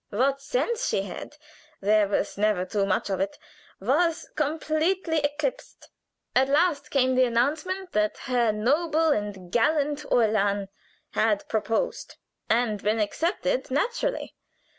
What sense she had there was never too much of it was completely eclipsed. At last came the announcement that her noble and gallant Uhlan had proposed, and been accepted naturally.